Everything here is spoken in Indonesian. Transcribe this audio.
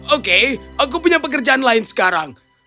oke aku punya pekerjaan lain sekarang